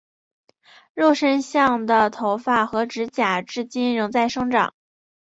肉身像的头发和指甲至今仍在生长。